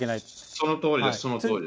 そのとおりです、そのとおりです。